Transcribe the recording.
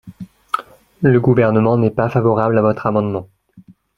Le Gouvernement n’est pas favorable à votre amendement.